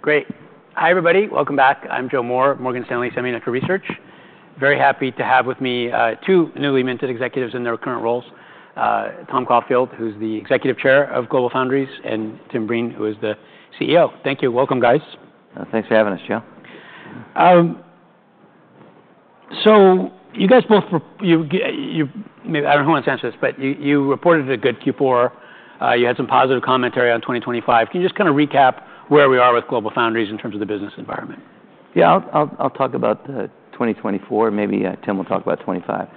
Great. Hi, everybody. Welcome back. I'm Joe Moore, Morgan Stanley Semiconductor Research. Very happy to have with me two newly minted executives in their current roles: Tom Caulfield, who's the Executive Chairman of GlobalFoundries, and Tim Breen, who is the CEO. Thank you. Welcome, guys. Thanks for having us, Joe. So you guys both, I don't know who wants to answer this, but you reported a good Q4. You had some positive commentary on 2025. Can you just kind of recap where we are with GlobalFoundries in terms of the business environment? Yeah, I'll talk about 2024. Maybe Tim will talk about 2025.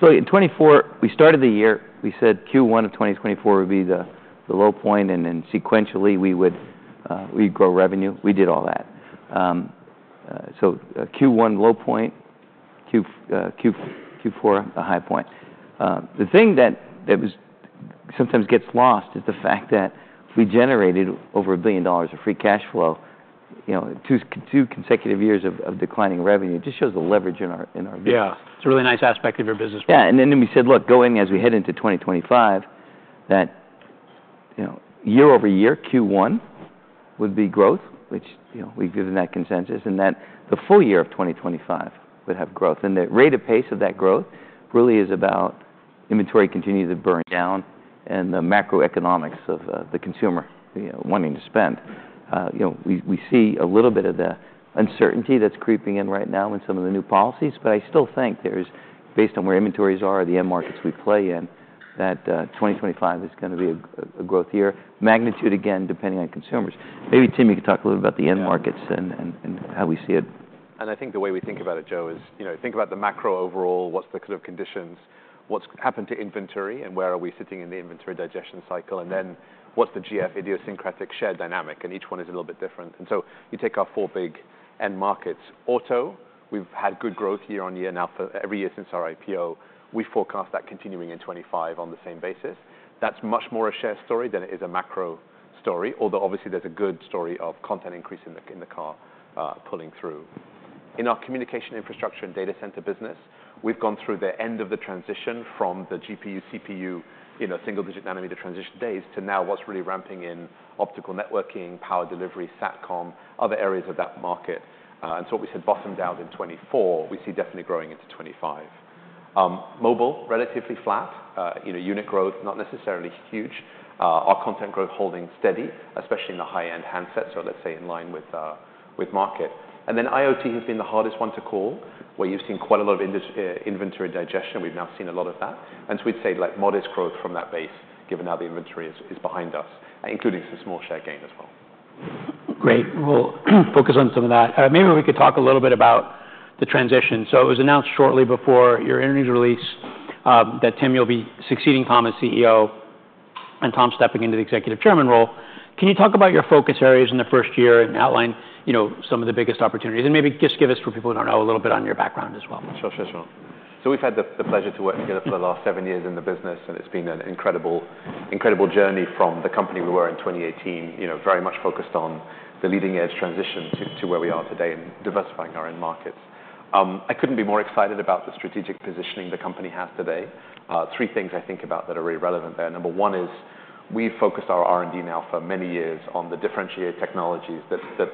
So in 2024, we started the year. We said Q1 of 2024 would be the low point, and then sequentially we would grow revenue. We did all that. So Q1 low point, Q4 a high point. The thing that sometimes gets lost is the fact that we generated over $1 billion of free cash flow two consecutive years of declining revenue. It just shows the leverage in our business. Yeah. It's a really nice aspect of your business. Yeah. And then we said, "Look, going as we head into 2025, that year-over-year, Q1 would be growth," which we've given that consensus, "and that the full year of 2025 would have growth." And the rate of pace of that growth really is about inventory continuing to burn down and the macroeconomics of the consumer wanting to spend. We see a little bit of the uncertainty that's creeping in right now in some of the new policies, but I still think there's, based on where inventories are or the end markets we play in, that 2025 is going to be a growth year. Magnitude, again, depending on consumers. Maybe Tim, you could talk a little bit about the end markets and how we see it. I think the way we think about it, Joe, is think about the macro overall. What's the kind of conditions? What's happened to inventory, and where are we sitting in the inventory digestion cycle? And then what's the GF idiosyncratic share dynamic? And each one is a little bit different. And so you take our four big end markets. Auto, we've had good growth year on year now for every year since our IPO. We forecast that continuing in 2025 on the same basis. That's much more a share story than it is a macro story, although obviously there's a good story of content increase in the car pulling through. In our communication infrastructure and data center business, we've gone through the end of the transition from the GPU, CPU, single-digit nanometer transition days to now what's really ramping in optical networking, power delivery, SATCOM, other areas of that market. And so what we said bottomed out in 2024, we see definitely growing into 2025. Mobile, relatively flat. Unit growth, not necessarily huge. Our content growth holding steady, especially in the high-end handset, so let's say in line with market. And then IoT has been the hardest one to call, where you've seen quite a lot of inventory digestion. We've now seen a lot of that. And so we'd say modest growth from that base, given how the inventory is behind us, including some small share gain as well. Great. We'll focus on some of that. Maybe we could talk a little bit about the transition. So it was announced shortly before your interviews released that Tim, you'll be succeeding Tom as CEO and Tom stepping into the executive chairman role. Can you talk about your focus areas in the first year and outline some of the biggest opportunities? And maybe just give us, for people who don't know, a little bit on your background as well. Sure, sure, sure. So we've had the pleasure to work together for the last seven years in the business, and it's been an incredible journey from the company we were in 2018, very much focused on the leading-edge transition to where we are today and diversifying our end markets. I couldn't be more excited about the strategic positioning the company has today. Three things I think about that are really relevant there. Number one is we've focused our R&D now for many years on the differentiated technologies that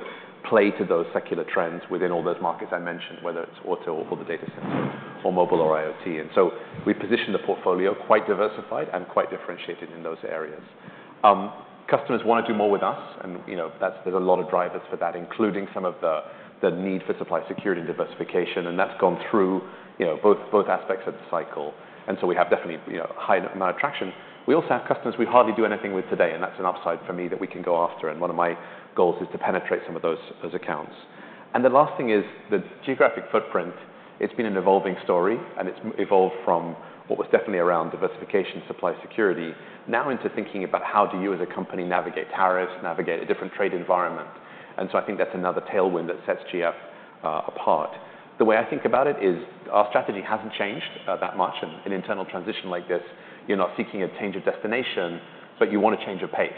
play to those secular trends within all those markets I mentioned, whether it's auto or the data center or mobile or IoT, and so we positioned the portfolio quite diversified and quite differentiated in those areas. Customers want to do more with us, and there's a lot of drivers for that, including some of the need for supply security and diversification, and that's gone through both aspects of the cycle, and so we have definitely a high amount of traction. We also have customers we hardly do anything with today, and that's an upside for me that we can go after, and one of my goals is to penetrate some of those accounts, and the last thing is the geographic footprint. It's been an evolving story, and it's evolved from what was definitely around diversification, supply security, now into thinking about how do you as a company navigate tariffs, navigate a different trade environment, and so I think that's another tailwind that sets GF apart. The way I think about it is our strategy hasn't changed that much. In an internal transition like this, you're not seeking a change of destination, but you want a change of pace.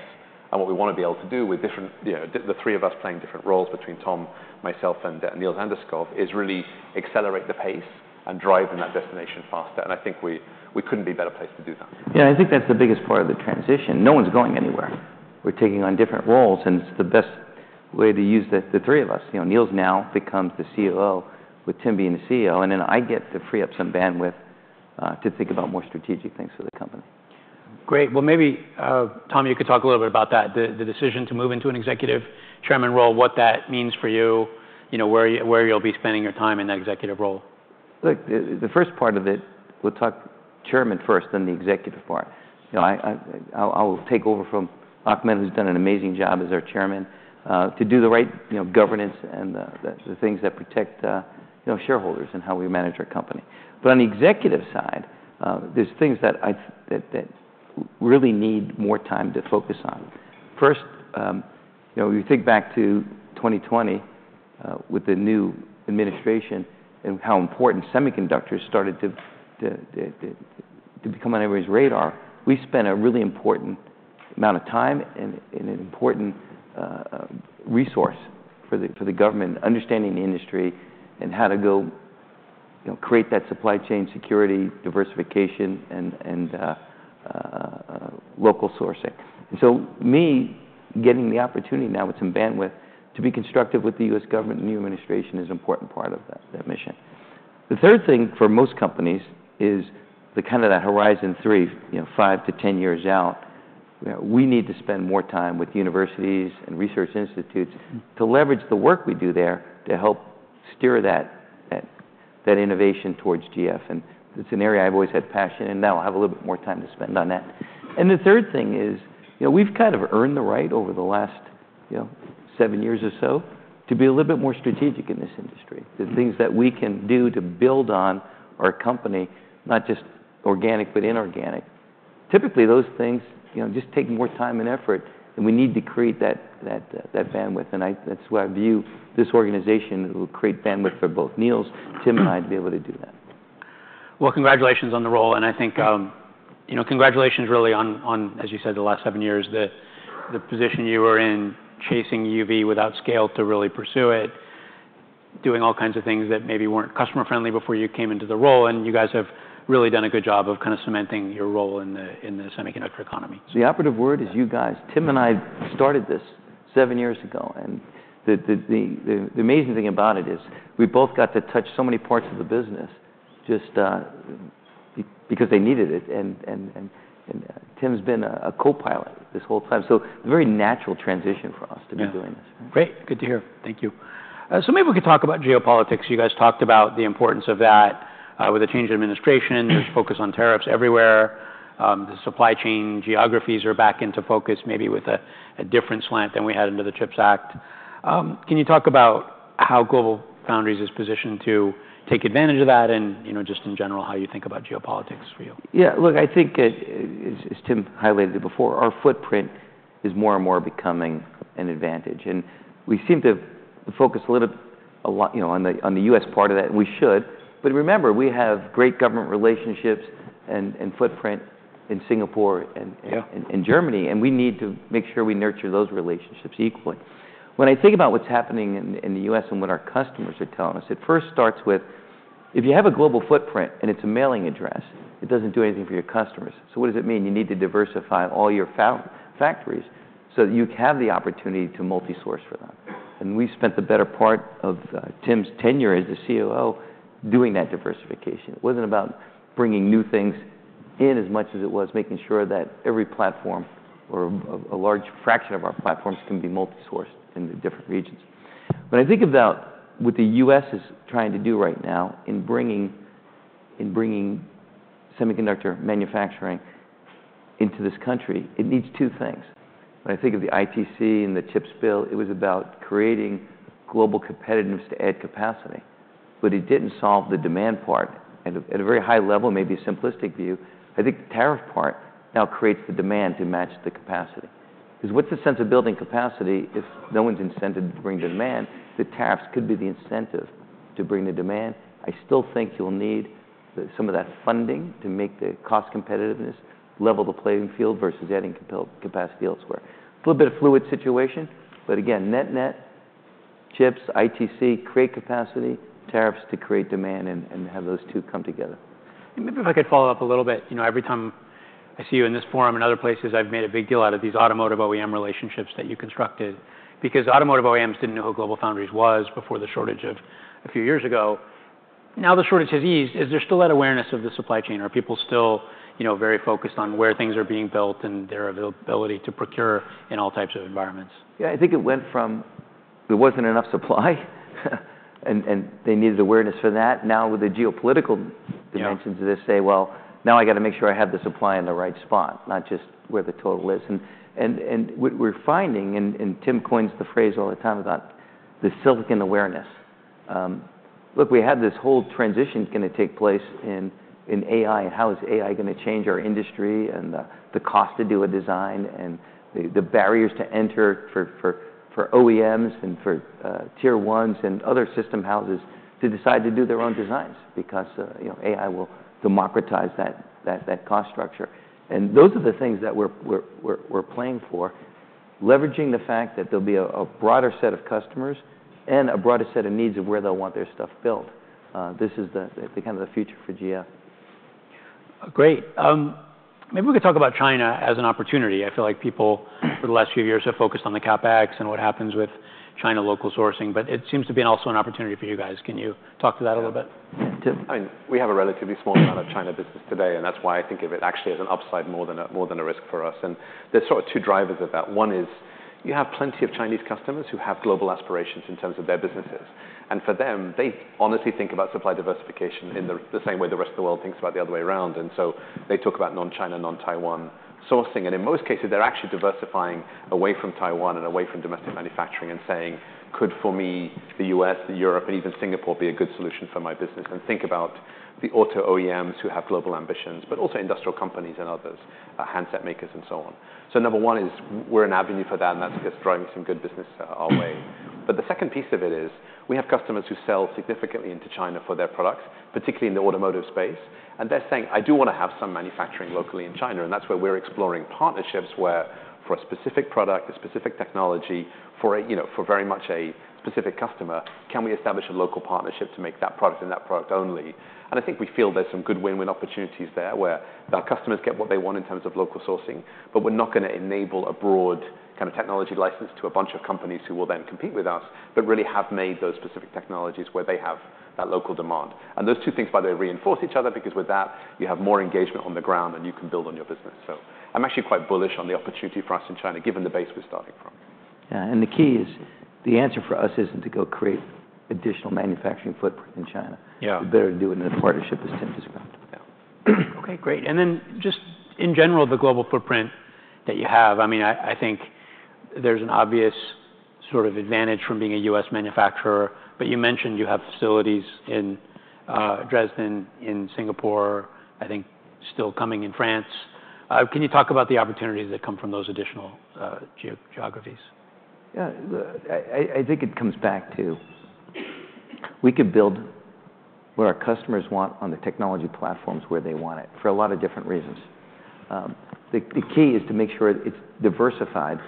And what we want to be able to do with the three of us playing different roles between Tom, myself, and Niels Anderskouv is really accelerate the pace and drive in that destination faster. And I think we couldn't be a better place to do that. Yeah, I think that's the biggest part of the transition. No one's going anywhere. We're taking on different roles, and it's the best way to use the three of us. Niels now becomes the COO, with Tim being the CEO, and then I get to free up some bandwidth to think about more strategic things for the company. Great. Well, maybe, Tom, you could talk a little bit about that, the decision to move into an executive chairman role, what that means for you, where you'll be spending your time in that executive role. Look, the first part of it, we'll talk chairman first, then the executive part. I'll take over from Ahmed Yahia Al Idrissi, who's done an amazing job as our chairman, to do the right governance and the things that protect shareholders and how we manage our company. But on the executive side, there's things that really need more time to focus on. First, you think back to 2020 with the new administration and how important semiconductors started to become on everybody's radar. We spent a really important amount of time and an important resource for the government, understanding the industry and how to go create that supply chain security, diversification, and local sourcing. And so me getting the opportunity now with some bandwidth to be constructive with the U.S. government and new administration is an important part of that mission. The third thing for most companies is the kind of that horizon three, five to ten years out. We need to spend more time with universities and research institutes to leverage the work we do there to help steer that innovation towards GF. And it's an area I've always had passion, and now I'll have a little bit more time to spend on that. And the third thing is we've kind of earned the right over the last seven years or so to be a little bit more strategic in this industry. The things that we can do to build on our company, not just organic but inorganic, typically those things just take more time and effort, and we need to create that bandwidth. And that's why I view this organization will create bandwidth for both Niels, Tim, and I to be able to do that. Congratulations on the role. I think congratulations really on, as you said, the last seven years, the position you were in chasing EUV without scale to really pursue it, doing all kinds of things that maybe weren't customer-friendly before you came into the role. You guys have really done a good job of kind of cementing your role in the semiconductor economy. So the operative word is you guys. Tim and I started this seven years ago. And the amazing thing about it is we both got to touch so many parts of the business just because they needed it. And Tim's been a co-pilot this whole time. So it's a very natural transition for us to be doing this. Great. Good to hear. Thank you. So maybe we could talk about geopolitics. You guys talked about the importance of that with a change in administration. There's focus on tariffs everywhere. The supply chain geographies are back into focus, maybe with a different slant than we had under the CHIPS Act. Can you talk about how GlobalFoundries is positioned to take advantage of that and just in general how you think about geopolitics for you? Yeah, look, I think, as Tim highlighted before, our footprint is more and more becoming an advantage, and we seem to focus a little bit on the U.S. part of that, and we should, but remember, we have great government relationships and footprint in Singapore and Germany, and we need to make sure we nurture those relationships equally. When I think about what's happening in the U.S. and what our customers are telling us, it first starts with if you have a global footprint and it's a mailing address, it doesn't do anything for your customers, so what does it mean? You need to diversify all your factories so that you have the opportunity to multi-source for them, and we spent the better part of Tim's tenure as the COO doing that diversification. It wasn't about bringing new things in as much as it was making sure that every platform or a large fraction of our platforms can be multi-sourced in the different regions. When I think about what the U.S. is trying to do right now in bringing semiconductor manufacturing into this country, it needs two things. When I think of the ITC and the CHIPS bill, it was about creating global competitiveness to add capacity. But it didn't solve the demand part. At a very high level, maybe a simplistic view, I think the tariff part now creates the demand to match the capacity. Because what's the sense of building capacity if no one's incented to bring the demand? The tariffs could be the incentive to bring the demand. I still think you'll need some of that funding to make the cost competitiveness level the playing field versus adding capacity elsewhere. It's a little bit of a fluid situation. But again, net-net, CHIPS, ITC, create capacity, tariffs to create demand, and have those two come together. Maybe if I could follow up a little bit. Every time I see you in this forum and other places, I've made a big deal out of these automotive OEM relationships that you constructed. Because automotive OEMs didn't know who GlobalFoundries was before the shortage of a few years ago. Now the shortage has eased. Is there still that awareness of the supply chain? Are people still very focused on where things are being built and their availability to procure in all types of environments? Yeah, I think it went from there wasn't enough supply, and they needed awareness for that. Now with the geopolitical dimensions of this, say, "Well, now I got to make sure I have the supply in the right spot, not just where the total is." And we're finding, and Tim coins the phrase all the time about the silicon awareness. Look, we have this whole transition going to take place in AI, and how is AI going to change our industry and the cost to do a design and the barriers to enter for OEMs and for Tier ones and other system houses to decide to do their own designs because AI will democratize that cost structure. And those are the things that we're playing for, leveraging the fact that there'll be a broader set of customers and a broader set of needs of where they'll want their stuff built. This is the kind of future for GF. Great. Maybe we could talk about China as an opportunity. I feel like people for the last few years have focused on the CapEx and what happens with China local sourcing, but it seems to be also an opportunity for you guys. Can you talk to that a little bit? Yeah, Tim, I mean, we have a relatively small amount of China business today, and that's why I think of it actually as an upside more than a risk for us. And there's sort of two drivers of that. One is you have plenty of Chinese customers who have global aspirations in terms of their businesses. And for them, they honestly think about supply diversification in the same way the rest of the world thinks about the other way around. And so they talk about non-China, non-Taiwan sourcing. And in most cases, they're actually diversifying away from Taiwan and away from domestic manufacturing and saying, "Could for me, the U.S., Europe, and even Singapore be a good solution for my business?" And think about the auto OEMs who have global ambitions, but also industrial companies and others, handset makers, and so on. So number one is we're an avenue for that, and that's just driving some good business our way. But the second piece of it is we have customers who sell significantly into China for their products, particularly in the automotive space. And they're saying, "I do want to have some manufacturing locally in China." And that's where we're exploring partnerships where for a specific product, a specific technology for very much a specific customer, can we establish a local partnership to make that product and that product only? And I think we feel there's some good win-win opportunities there where our customers get what they want in terms of local sourcing, but we're not going to enable a broad kind of technology license to a bunch of companies who will then compete with us, but really have made those specific technologies where they have that local demand. Those two things, by the way, reinforce each other because with that, you have more engagement on the ground, and you can build on your business. I'm actually quite bullish on the opportunity for us in China, given the base we're starting from. Yeah, and the key is the answer for us isn't to go create additional manufacturing footprint in China. We better do it in a partnership, as Tim described. Yeah. Okay, great. And then just in general, the global footprint that you have, I mean, I think there's an obvious sort of advantage from being a U.S. manufacturer, but you mentioned you have facilities in Dresden, in Singapore, I think still coming in France. Can you talk about the opportunities that come from those additional geographies? Yeah, I think it comes back to we could build what our customers want on the technology platforms where they want it for a lot of different reasons. The key is to make sure it's diversified.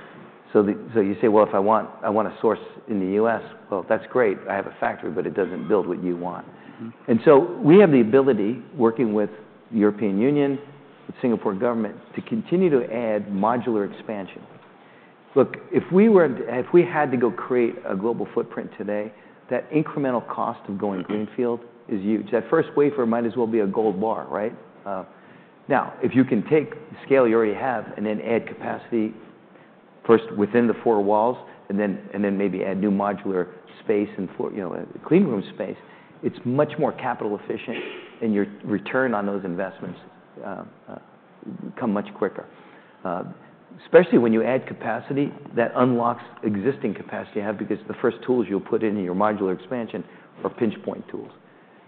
So you say, "Well, if I want to source in the U.S., well, that's great. I have a factory, but it doesn't build what you want." And so we have the ability, working with the European Union, with the Singapore government, to continue to add modular expansion. Look, if we had to go create a global footprint today, that incremental cost of going greenfield is huge. That first wafer might as well be a gold bar, right? Now, if you can take the scale you already have and then add capacity first within the four walls and then maybe add new modular space and cleanroom space, it's much more capital efficient, and your return on those investments becomes much quicker, especially when you add capacity that unlocks existing capacity you have because the first tools you'll put in your modular expansion are pinch point tools.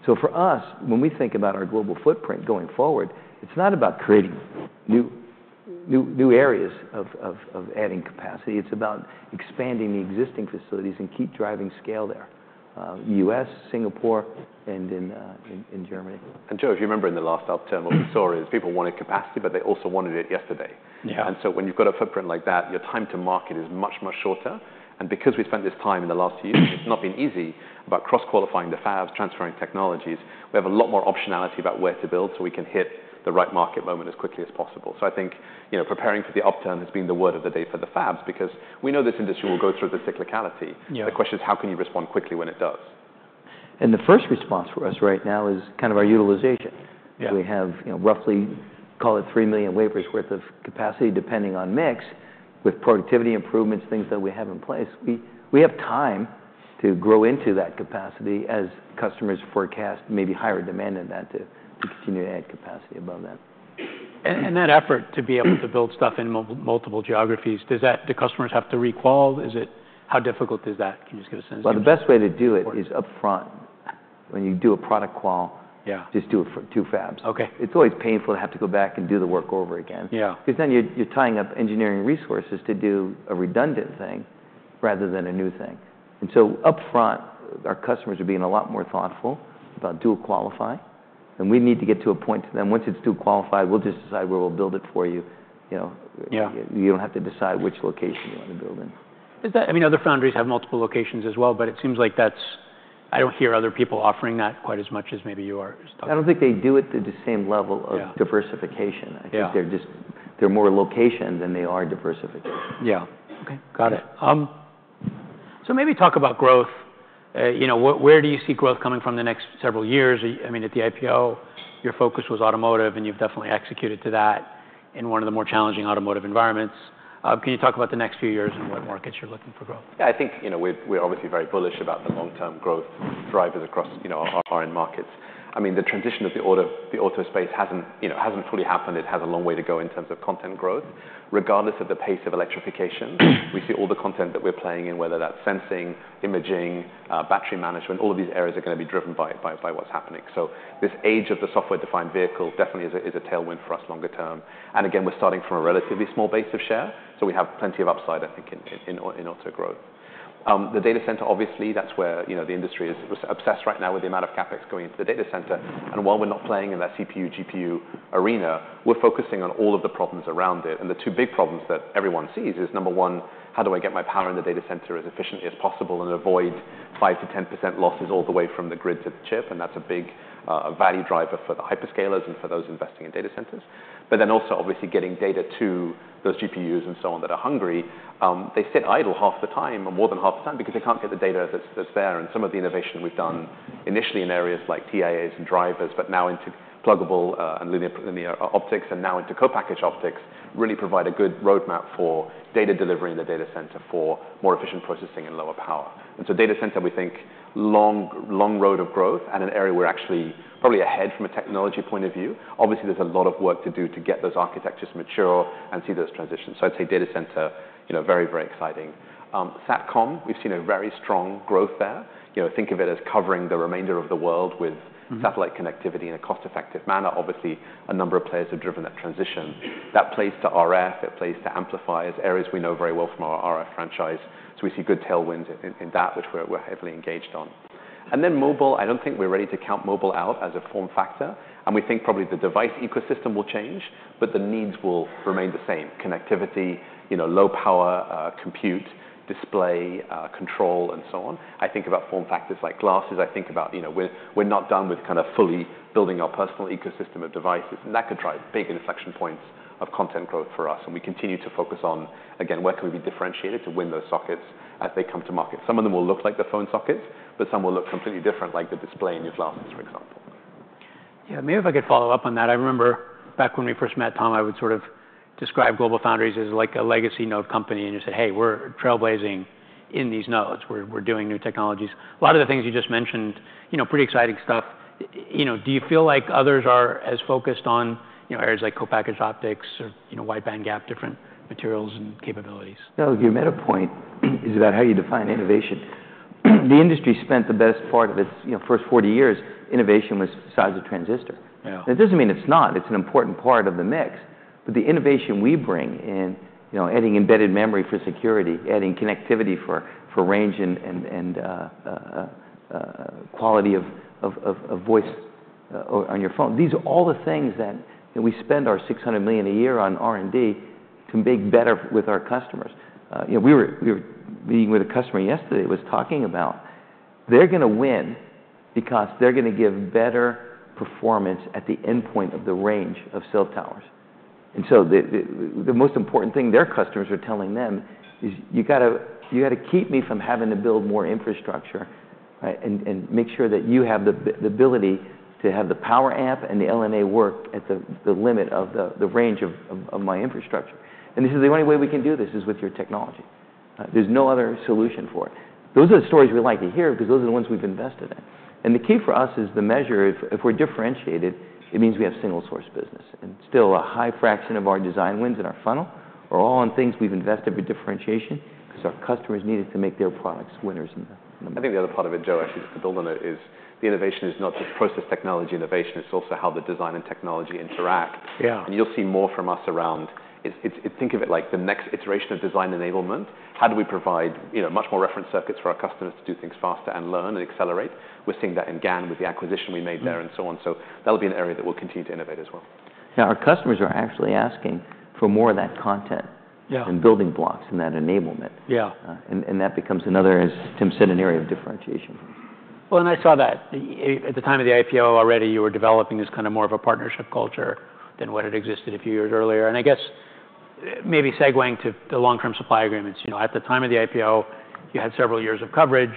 So for us, when we think about our global footprint going forward, it's not about creating new areas of adding capacity. It's about expanding the existing facilities and keep driving scale there: U.S., Singapore, and in Germany. Joe, if you remember in the last upturn, what we saw is people wanted capacity, but they also wanted it yesterday. So when you've got a footprint like that, your time to market is much, much shorter. Because we spent this time in the last few years, it's not been easy about cross-qualifying the fabs, transferring technologies. We have a lot more optionality about where to build so we can hit the right market moment as quickly as possible. I think preparing for the upturn has been the word of the day for the fabs because we know this industry will go through the cyclicality. The question is, how can you respond quickly when it does? The first response for us right now is kind of our utilization. We have roughly, call it three million wafers' worth of capacity depending on mix with productivity improvements, things that we have in place. We have time to grow into that capacity as customers forecast maybe higher demand than that to continue to add capacity above that. That effort to be able to build stuff in multiple geographies, do customers have to re-qual? How difficult is that? Can you just give us an example? The best way to do it is upfront. When you do a product qual, just do it for two fabs. It's always painful to have to go back and do the work over again because then you're tying up engineering resources to do a redundant thing rather than a new thing. And so upfront, our customers are being a lot more thoughtful about dual qualify. And we need to get to a point to them, once it's dual qualified, we'll just decide where we'll build it for you. You don't have to decide which location you want to build in. I mean, other foundries have multiple locations as well, but it seems like that's. I don't hear other people offering that quite as much as maybe you are. I don't think they do it to the same level of diversification. I think they're more location than they are diversification. Yeah. Okay, got it. So maybe talk about growth. Where do you see growth coming from the next several years? I mean, at the IPO, your focus was automotive, and you've definitely executed to that in one of the more challenging automotive environments. Can you talk about the next few years and what markets you're looking for growth? Yeah, I think we're obviously very bullish about the long-term growth drivers across our end markets. I mean, the transition of the auto space hasn't fully happened. It has a long way to go in terms of content growth. Regardless of the pace of electrification, we see all the content that we're playing in, whether that's sensing, imaging, battery management, all of these areas are going to be driven by what's happening. So this age of the software-defined vehicle definitely is a tailwind for us longer term. And again, we're starting from a relatively small base of share, so we have plenty of upside, I think, in auto growth. The data center, obviously, that's where the industry is obsessed right now with the amount of CapEx going into the data center. And while we're not playing in that CPU, GPU arena, we're focusing on all of the problems around it. The two big problems that everyone sees is, number one, how do I get my power in the data center as efficiently as possible and avoid 5%-10% losses all the way from the grid to the chip? And that's a big value driver for the hyperscalers and for those investing in data centers. But then also, obviously, getting data to those GPUs and so on that are hungry, they sit idle half the time or more than half the time because they can't get the data that's there. And some of the innovation we've done initially in areas like TIAs and drivers, but now into pluggable and linear optics and now into co-packaged optics, really provide a good roadmap for data delivery in the data center for more efficient processing and lower power. And so, data center, we think long road of growth and an area we're actually probably ahead from a technology point of view. Obviously, there's a lot of work to do to get those architectures mature and see those transitions. So I'd say data center, very, very exciting. Satcom, we've seen a very strong growth there. Think of it as covering the remainder of the world with satellite connectivity in a cost-effective manner. Obviously, a number of players have driven that transition. That plays to RF. It plays to amplifiers, areas we know very well from our RF franchise. So we see good tailwinds in that, which we're heavily engaged on. And then mobile, I don't think we're ready to count mobile out as a form factor. And we think probably the device ecosystem will change, but the needs will remain the same: connectivity, low power, compute, display, control, and so on. I think about form factors like glasses. I think about we're not done with kind of fully building our personal ecosystem of devices. And that could drive big inflection points of content growth for us. And we continue to focus on, again, where can we be differentiated to win those sockets as they come to market. Some of them will look like the phone sockets, but some will look completely different, like the display in your glasses, for example. Yeah, maybe if I could follow up on that. I remember back when we first met, Tom, I would sort of describe GlobalFoundries as like a legacy node company. And you said, "Hey, we're trailblazing in these nodes. We're doing new technologies." A lot of the things you just mentioned, pretty exciting stuff. Do you feel like others are as focused on areas like co-packaged optics or wide bandgap, different materials and capabilities? No, you made a point about how you define innovation. The industry spent the best part of its first 40 years innovation with size of transistor. And it doesn't mean it's not. It's an important part of the mix. But the innovation we bring in adding embedded memory for security, adding connectivity for range and quality of voice on your phone, these are all the things that we spend our $600 million a year on R&D to make better with our customers. We were meeting with a customer yesterday who was talking about they're going to win because they're going to give better performance at the endpoint of the range of cell towers. And so the most important thing their customers are telling them is, "You got to keep me from having to build more infrastructure and make sure that you have the ability to have the power amp and the LNA work at the limit of the range of my infrastructure." And they said, "The only way we can do this is with your technology. There's no other solution for it." Those are the stories we like to hear because those are the ones we've invested in. And the key for us is the measure. If we're differentiated, it means we have single-source business. And still, a high fraction of our design wins in our funnel are all on things we've invested for differentiation because our customers needed to make their products winners in the market. I think the other part of it, Joe, actually just to build on it, is the innovation is not just process technology innovation. It's also how the design and technology interact. And you'll see more from us around. Think of it like the next iteration of design enablement. How do we provide much more reference circuits for our customers to do things faster and learn and accelerate? We're seeing that in GaN with the acquisition we made there and so on. So that'll be an area that we'll continue to innovate as well. Yeah, our customers are actually asking for more of that content and building blocks and that enablement, and that becomes another, as Tim said, an area of differentiation for us. Well, and I saw that at the time of the IPO already, you were developing this kind of more of a partnership culture than what had existed a few years earlier. And I guess maybe segueing to the long-term supply agreements. At the time of the IPO, you had several years of coverage.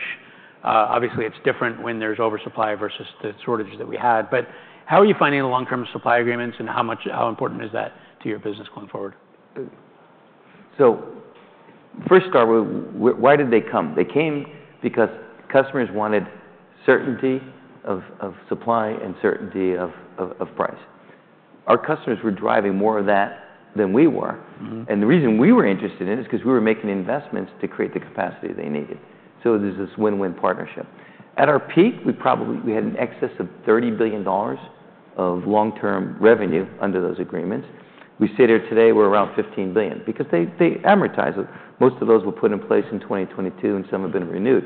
Obviously, it's different when there's oversupply versus the shortage that we had. But how are you finding the long-term supply agreements and how important is that to your business going forward? So first, why did they come? They came because customers wanted certainty of supply and certainty of price. Our customers were driving more of that than we were. And the reason we were interested in it is because we were making investments to create the capacity they needed. So there's this win-win partnership. At our peak, we had an excess of $30 billion of long-term revenue under those agreements. We sit here today, we're around $15 billion because they amortize. Most of those were put in place in 2022, and some have been renewed.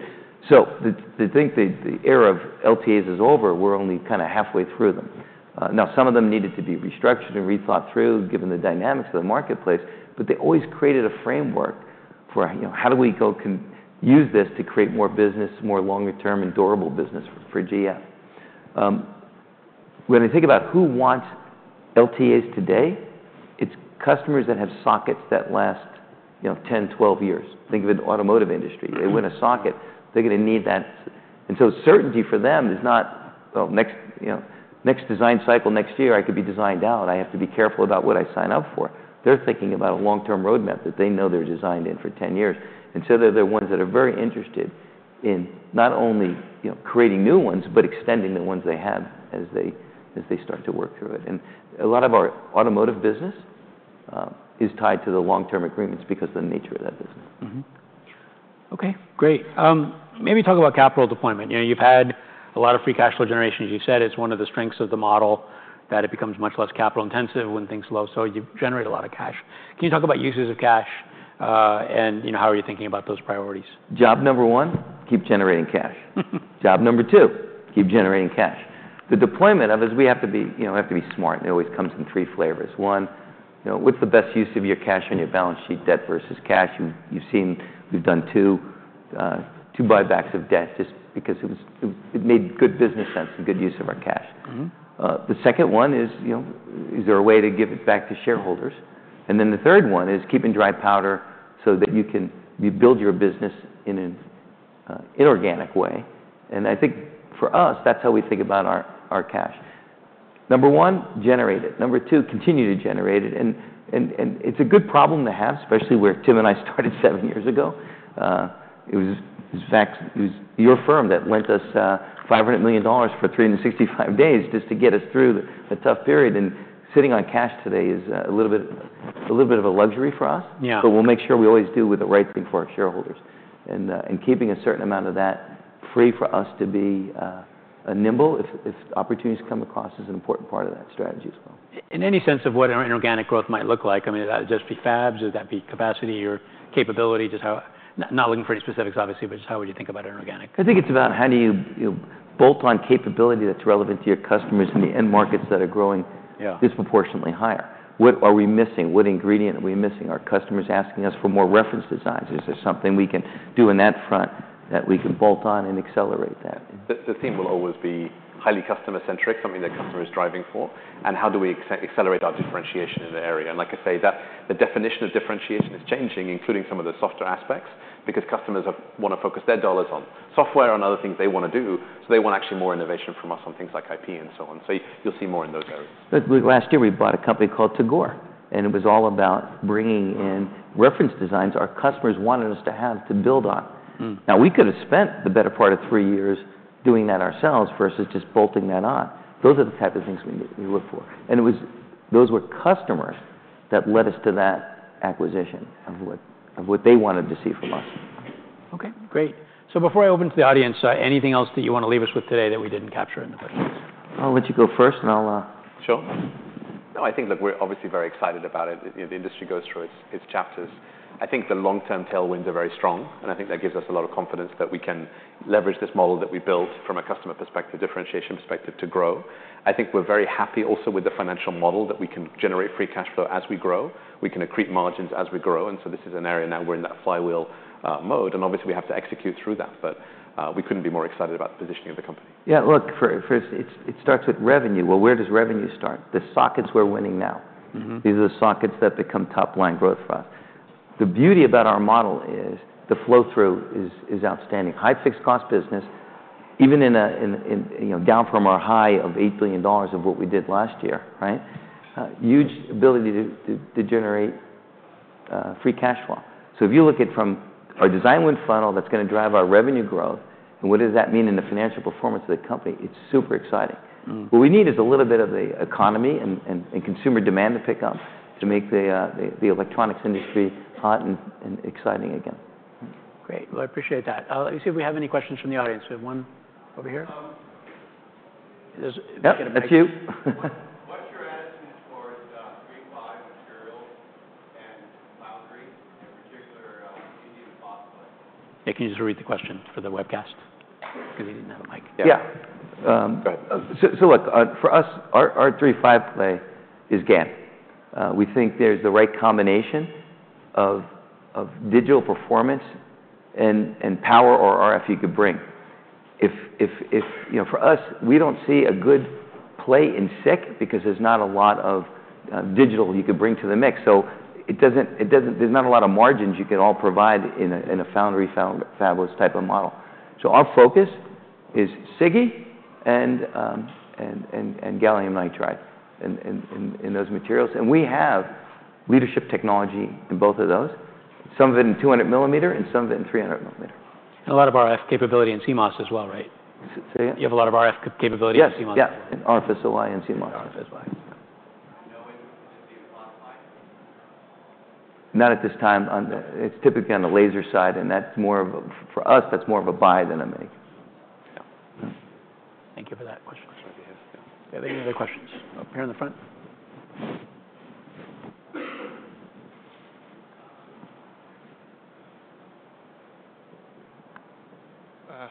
So the era of LTAs is over. We're only kind of halfway through them. Now, some of them needed to be restructured and rethought through given the dynamics of the marketplace, but they always created a framework for how do we use this to create more business, more longer-term and durable business for GF. When I think about who wants LTAs today, it's customers that have sockets that last 10, 12 years. Think of it in the automotive industry. They win a socket, they're going to need that. And so certainty for them is not, "Well, next design cycle next year, I could be designed out. I have to be careful about what I sign up for." They're thinking about a long-term roadmap that they know they're designed in for 10 years. And so they're the ones that are very interested in not only creating new ones, but extending the ones they have as they start to work through it. And a lot of our automotive business is tied to the long-term agreements because of the nature of that business. Okay, great. Maybe talk about capital deployment. You've had a lot of free cash flow generation. As you said, it's one of the strengths of the model that it becomes much less capital intensive when things slow. So you generate a lot of cash. Can you talk about uses of cash and how are you thinking about those priorities? Job number one, keep generating cash. Job number two, keep generating cash. The deployment of us, we have to be smart. It always comes in three flavors. One, what's the best use of your cash on your balance sheet debt versus cash? You've seen we've done two buybacks of debt just because it made good business sense and good use of our cash. The second one is, is there a way to give it back to shareholders, and then the third one is keeping dry powder so that you can build your business in an inorganic way, and I think for us, that's how we think about our cash. Number one, generate it. Number two, continue to generate it, and it's a good problem to have, especially where Tim and I started seven years ago. It was your firm that lent us $500 million for 365 days just to get us through a tough period. And sitting on cash today is a little bit of a luxury for us, but we'll make sure we always do the right thing for our shareholders. And keeping a certain amount of that free for us to be nimble if opportunities come across is an important part of that strategy as well. In any sense of what inorganic growth might look like, I mean, would that just be fabs? Would that be capacity or capability? Not looking for any specifics, obviously, but just how would you think about inorganic? I think it's about how do you bolt on capability that's relevant to your customers in the end markets that are growing disproportionately higher. What are we missing? What ingredient are we missing? Are customers asking us for more reference designs? Is there something we can do in that front that we can bolt on and accelerate that? The theme will always be highly customer-centric, something that customers are driving for. And how do we accelerate our differentiation in the area? And like I say, the definition of differentiation is changing, including some of the softer aspects because customers want to focus their dollars on software and other things they want to do. So they want actually more innovation from us on things like IP and so on. So you'll see more in those areas. Last year, we bought a company called Tagore, and it was all about bringing in reference designs our customers wanted us to have to build on. Now, we could have spent the better part of three years doing that ourselves versus just bolting that on. Those are the type of things we look for. And those were customers that led us to that acquisition of what they wanted to see from us. Okay, great. So before I open to the audience, anything else that you want to leave us with today that we didn't capture in the questions? I'll let you go first, and I'll. Sure. No, I think, look, we're obviously very excited about it. The industry goes through its chapters. I think the long-term tailwinds are very strong. And I think that gives us a lot of confidence that we can leverage this model that we built from a customer perspective, differentiation perspective to grow. I think we're very happy also with the financial model that we can generate free cash flow as we grow. We can accrete margins as we grow. And so this is an area now we're in that flywheel mode. And obviously, we have to execute through that. But we couldn't be more excited about the positioning of the company. Yeah, look, first, it starts with revenue, well, where does revenue start? The sockets we're winning now. These are the sockets that become top-line growth for us. The beauty about our model is the flow-through is outstanding. High fixed-cost business, even down from our high of $8 billion of what we did last year, huge ability to generate free cash flow. So if you look at from our design win funnel that's going to drive our revenue growth, and what does that mean in the financial performance of the company? It's super exciting. What we need is a little bit of the economy and consumer demand to pick up to make the electronics industry hot and exciting again. Great. Well, I appreciate that. Let me see if we have any questions from the audience. We have one over here. That's you. What's your attitude towards III-V materials and foundry, in particular, using a fab? Yeah, can you just read the question for the webcast? Because he didn't have a mic. Yeah. So look, for us, our III-V play is GaN. We think there's the right combination of digital performance and power or RF you could bring. For us, we don't see a good play in SiC because there's not a lot of digital you could bring to the mix. So there's not a lot of margins you can all provide in a foundry fabless type of model. So our focus is SiGe and gallium nitride in those materials. And we have leadership technology in both of those, some of it in 200 millimeter and some of it in 300 millimeter. And a lot of RF capability in CMOS as well, right? You have a lot of RF capability in CMOS. Yes. RF SOI and CMOS. Not at this time. It's typically on the laser side, and for us, that's more of a buy than a make. Thank you for that question.I think we have questions up here in the front.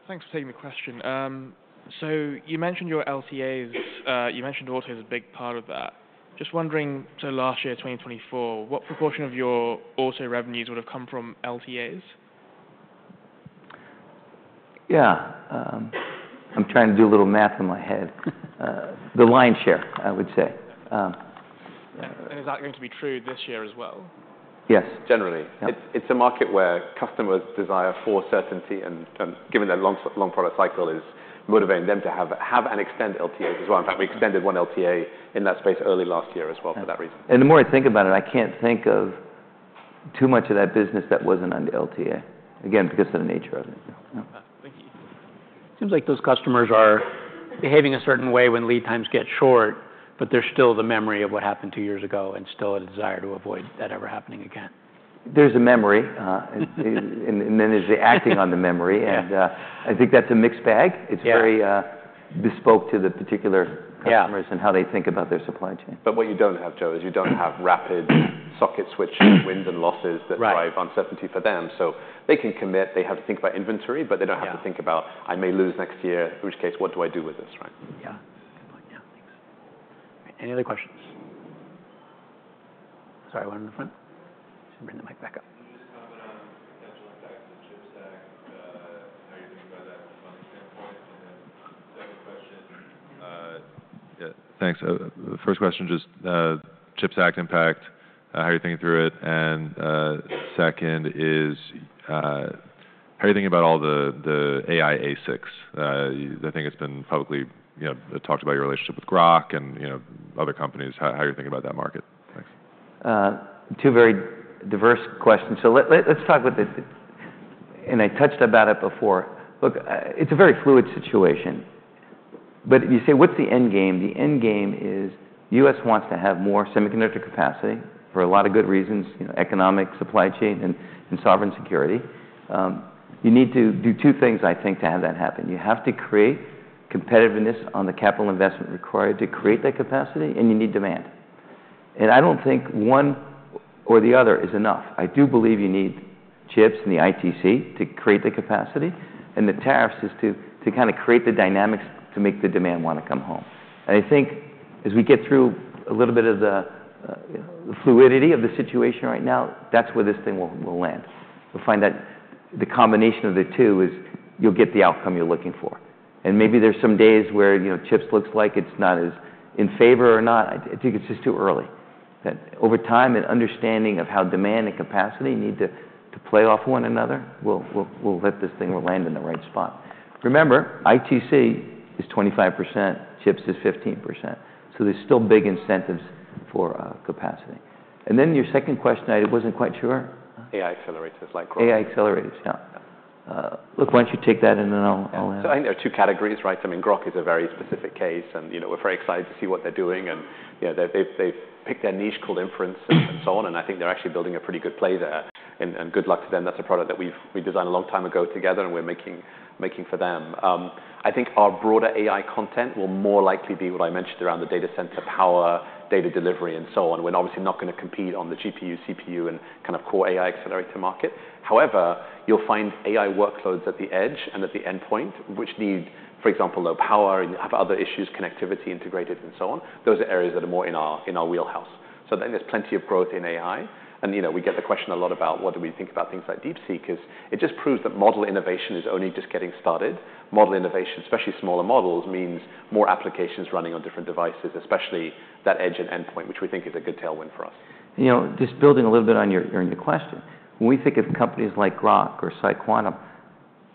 Thanks for taking the question. So you mentioned your LTAs. You mentioned auto is a big part of that. Just wondering, so last year, 2024, what proportion of your auto revenues would have come from LTAs? Yeah, I'm trying to do a little math in my head. The lion's share, I would say. Is that going to be true this year as well? Yes. Generally, it's a market where customers' desire for certainty, and given their long product cycle, is motivating them to have and extend LTAs as well. In fact, we extended one LTA in that space early last year as well for that reason. The more I think about it, I can't think of too much of that business that wasn't under LTA, again, because of the nature of it. It seems like those customers are behaving a certain way when lead times get short, but there's still the memory of what happened two years ago and still a desire to avoid that ever happening again. There's a memory, and then there's the acting on the memory. And I think that's a mixed bag. It's very bespoke to the particular customers and how they think about their supply chain. But what you don't have, Joe, is you don't have rapid socket switching wins and losses that drive uncertainty for them. So they can commit. They have to think about inventory, but they don't have to think about, "I may lose next year," which case, what do I do with this, right? Yeah. Good point. Yeah, thanks. Any other questions? Sorry, one in the front. Bring the mic back up. Just comment on the potential impact of the CHIPS Act. How are you thinking about that from a funding standpoint? And then second question. Yeah, thanks. First question, just CHIPS Act impact. How are you thinking through it? And second is, how are you thinking about all the AI ASICs? I think it's been publicly talked about your relationship with Groq and other companies. How are you thinking about that market? Thanks. Two very diverse questions, so let's talk about it. I touched on it before. Look, it's a very fluid situation. But you say, what's the end game? The end game is the U.S. wants to have more semiconductor capacity for a lot of good reasons, economic supply chain and sovereign security. You need to do two things, I think, to have that happen. You have to create competitiveness on the capital investment required to create that capacity, and you need demand, and I don't think one or the other is enough. I do believe you need CHIPS and the ITC to create the capacity, and the tariffs is to kind of create the dynamics to make the demand want to come home, and I think as we get through a little bit of the fluidity of the situation right now, that's where this thing will land. You'll find that the combination of the two is you'll get the outcome you're looking for. And maybe there's some days where CHIPS looks like it's not as in favor or not. I think it's just too early. Over time, an understanding of how demand and capacity need to play off one another will let this thing land in the right spot. Remember, ITC is 25%, CHIPS is 15%. So there's still big incentives for capacity. And then your second question, I wasn't quite sure. AI accelerators like Groq. AI accelerators, yeah. Look, why don't you take that, and then I'll ask. So I think there are two categories, right? I mean, Groq is a very specific case, and we're very excited to see what they're doing. And they've picked their niche called inference and so on. And I think they're actually building a pretty good play there. And good luck to them. That's a product that we designed a long time ago together, and we're making for them. I think our broader AI content will more likely be what I mentioned around the data center power, data delivery, and so on. We're obviously not going to compete on the GPU, CPU, and kind of core AI accelerator market. However, you'll find AI workloads at the edge and at the endpoint, which need, for example, low power and have other issues, connectivity integrated, and so on. Those are areas that are more in our wheelhouse. So I think there's plenty of growth in AI. And we get the question a lot about what do we think about things like DeepSeek because it just proves that model innovation is only just getting started. Model innovation, especially smaller models, means more applications running on different devices, especially that edge and endpoint, which we think is a good tailwind for us. Just building a little bit on your question, when we think of companies like Groq or PsiQuantum,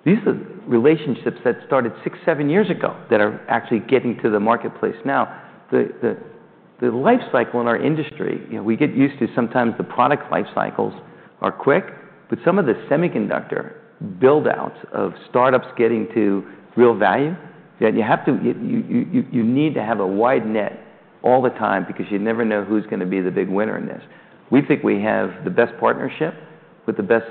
these are relationships that started six, seven years ago that are actually getting to the marketplace now. The life cycle in our industry, we get used to sometimes the product life cycles are quick, but some of the semiconductor buildouts of startups getting to real value, you need to have a wide net all the time because you never know who's going to be the big winner in this. We think we have the best partnership with the best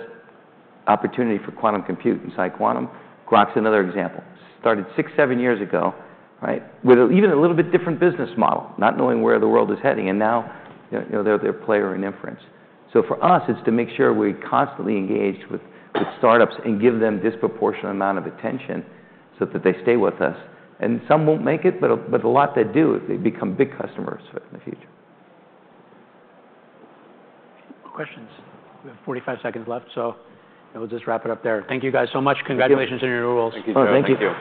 opportunity for quantum compute and PsiQuantum. Groq's another example. Started six, seven years ago, right, with even a little bit different business model, not knowing where the world is heading. And now they're a player in inference. For us, it's to make sure we're constantly engaged with startups and give them a disproportionate amount of attention so that they stay with us. Some won't make it, but a lot that do if they become big customers in the future. Questions? We have 45 seconds left, so we'll just wrap it up there. Thank you guys so much. Congratulations on your new roles. Thank you.